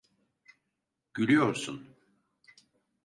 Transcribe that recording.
Gülüyorsun.